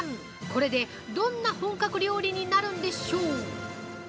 これで、どんな本格料理になるんでしょう。